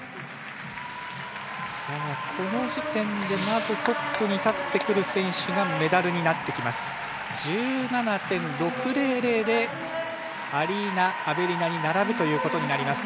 この時点でまずトップに立ってくる選手がメダルになってきます。１７．６００でアリーナ・アベリナに並ぶということになります。